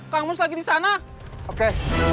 kang mus lagi disana oke